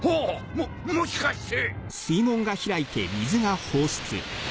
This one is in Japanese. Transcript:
ももしかして！